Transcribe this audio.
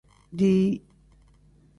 Dii.